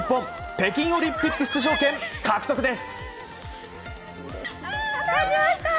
北京オリンピック出場権獲得です。